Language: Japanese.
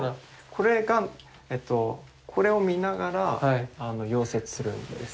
これがえとこれを見ながら溶接するんですね。